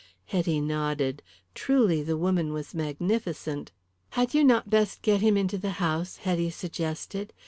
Hetty nodded. Truly the woman was magnificent. "Had you not best get him into the house?" Hetty suggested.